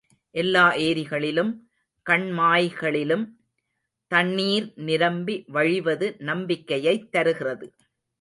எல்லா ஏரிகளிலும் கண்மாய்களிலும் தண்ணீர் நிரம்பி வழிவது நம்பிக்கையைத் தருகிறது.